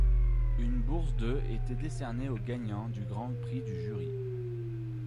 Une bourse de était décernée au gagnant du Grand Prix du Jury.